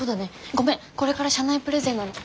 ごめんこれから社内プレゼンなの。